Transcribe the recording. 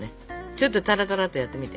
ちょっとタラタラっとやってみて。